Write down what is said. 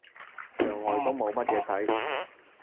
牆外都冇乜嘢睇